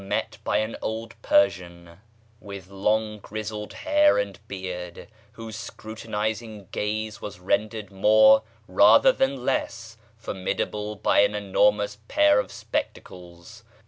[page xxxii] with long grizzled hair and beard, whose scrutinizing gaze was rendered more rather than less formidable by an enormous pair of spectacles.